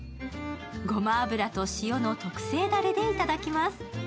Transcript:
ごま油と塩の特製だれで頂きます。